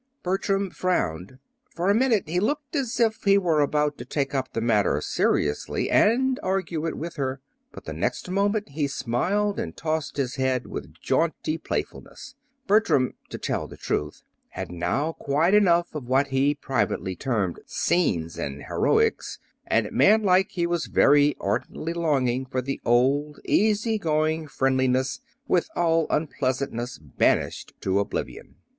Bertram frowned. For a minute he looked as if he were about to take up the matter seriously and argue it with her; but the next moment he smiled and tossed his head with jaunty playfulness Bertram, to tell the truth, had now had quite enough of what he privately termed "scenes" and "heroics"; and, manlike, he was very ardently longing for the old easy going friendliness, with all unpleasantness banished to oblivion.